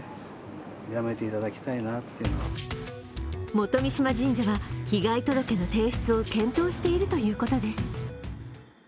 元三島神社は被害届の提出を検討しているということです。